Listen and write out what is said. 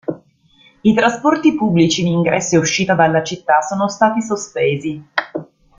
I trasporti pubblici in ingresso e uscita dalla città sono stati sospesi.